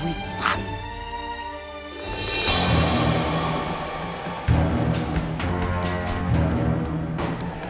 nanti saya akan mencoba